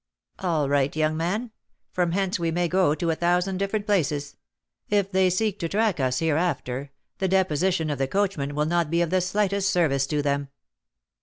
"All right, young man; from hence we may go to a thousand different places. If they seek to track us hereafter, the deposition of the coachman will not be of the slightest service to them."